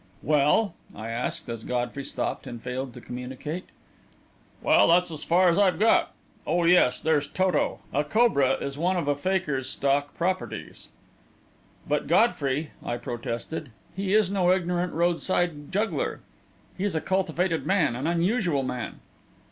"Well?" I asked, as Godfrey stopped and failed to continue. "Well, that's as far as I've got. Oh, yes there's Toto. A cobra is one of a fakir's stock properties." "But, Godfrey," I protested, "he is no ignorant roadside juggler. He's a cultivated man an unusual man."